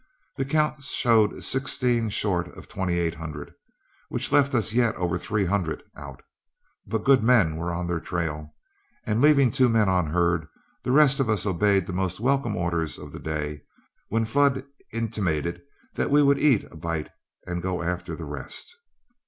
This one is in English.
The count showed sixteen short of twenty eight hundred, which left us yet over three hundred out. But good men were on their trail, and leaving two men on herd, the rest of us obeyed the most welcome orders of the day when Flood intimated that we would "eat a bite and go after the rest."